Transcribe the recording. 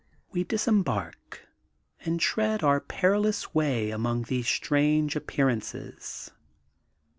We disembark and tread our perilous way among these strange appearances.